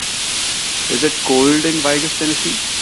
is it cold in Vigus Tennessee